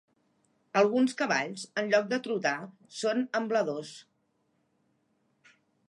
Alguns cavalls, en lloc de trotar, són ambladors.